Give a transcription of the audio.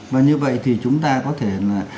và như vậy thì chúng ta có thể là